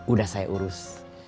udah saya urus